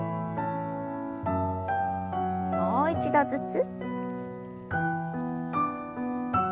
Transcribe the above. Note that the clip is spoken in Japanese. もう一度ずつ。